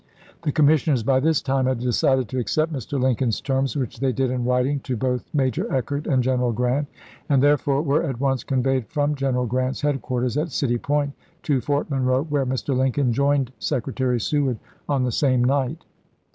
The commis sioners by this time had decided to accept Mr. ms. Lincoln's terms, which they did in writing to both Major Eckert and General Grant, and there upon were at once conveyed from General Grant's headquarters at City Point to Fort Monroe, where Mr. Lincoln joined Secretary Seward on the same night.